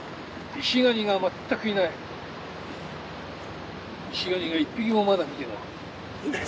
イシガニが一匹もまだ見てない。